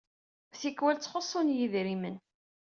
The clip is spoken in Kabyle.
Tikwal ttxuṣṣun-iyi idrimen.